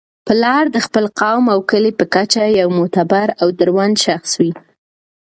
پلار د خپل قوم او کلي په کچه یو معتبر او دروند شخص وي.